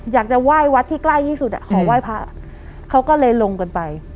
อยากจะไหว้วัดที่ใกล้ที่สุดอ่ะขอไหว้พระเขาก็เลยลงกันไป